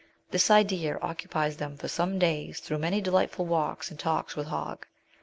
This idea occupies them for some days through many de lightful walks and talks with Hogg.